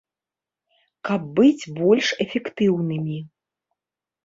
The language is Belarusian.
Каб быць больш эфектыўнымі.